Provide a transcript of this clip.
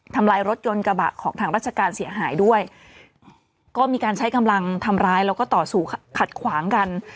ลายรถยนต์กระบะของทางราชการเสียหายด้วยก็มีการใช้กำลังทำร้ายแล้วก็ต่อสู่ขัดขวางกัน